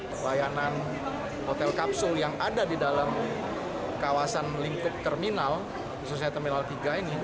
pelayanan hotel kapsul yang ada di dalam kawasan lingkup terminal khususnya terminal tiga ini